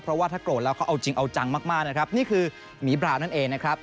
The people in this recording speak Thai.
เพราะว่าถ้าโกรธแล้วเขาเอาจริงเอาจังมากมากนะครับนี่คือหมีบรานั่นเองนะครับ